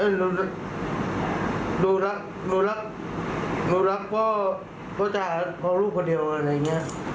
หนูรักพ่อจ่าของลูกคนเดียวอะไรอย่างนี้